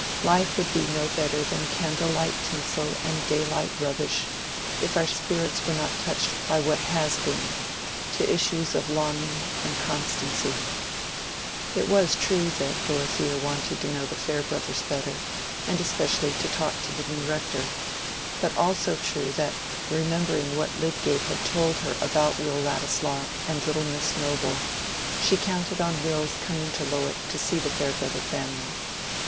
Life would be no better than candle light tinsel and daylight rubbish if our spirits were not touched by what has been, to issues of longing and constancy. It was true that Dorothea wanted to know the Farebrothers better, and especially to talk to the new rector, but also true that remembering what Lydgate had told her about Will Ladislaw and little Miss Noble, she counted on Will's coming to Lowick to see the Farebrother family.